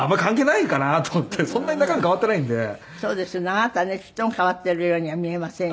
あなたねちっとも変わっているようには見えませんよ。